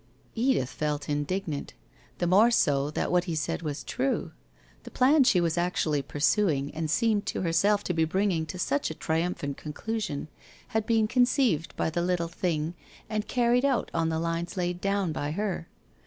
Edith felt indignant, the more so that what he said was true. The plan she was actually pursuing and seemed to herself to he bringing to such a triumphant conclu sion had been conceived by the little thing and carried out on the lines laid down by her.